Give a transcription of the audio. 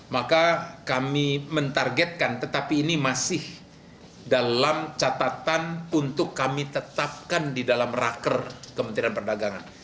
maka kami mentargetkan tetapi ini masih dalam catatan untuk kami tetapkan di dalam raker kementerian perdagangan